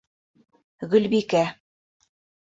Гөлбикә.